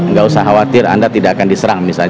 nggak usah khawatir anda tidak akan diserang misalnya